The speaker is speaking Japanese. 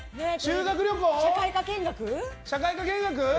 社会科見学？